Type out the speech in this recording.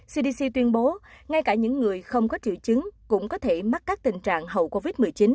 cdc tuyên bố ngay cả những người không có triệu chứng cũng có thể mắc các tình trạng hậu covid một mươi chín